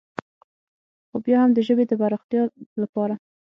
خو بيا هم د ژبې د فراختيا دپاره